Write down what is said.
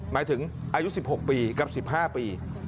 หมายถึงอายุ๑๖ปีกับ๑๕ปี